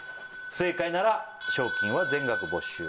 不正解なら賞金は全額没収